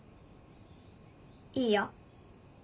いいよ。